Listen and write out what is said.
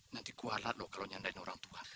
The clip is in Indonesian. nanti kuat loh kalau nyandain orang tua